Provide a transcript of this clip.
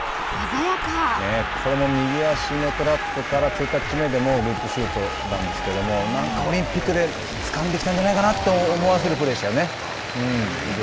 これも右足のトラップからシュートなんですけどなんかオリンピックでつかんできたんじゃないかなと思わせるプレーでしたよね。